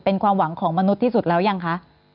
เป็นความหวังของมนุษย์ที่สุดแล้วยังคะ